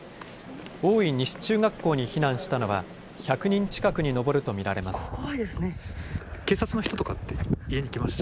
大井西中学校に避難したのは１００人近くに上ると見られます。